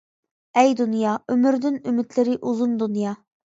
ئەي. دۇنيا، ئۆمۈردىن ئۈمىدلىرى ئۇزۇن دۇنيا!